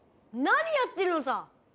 「なにやってるのさ！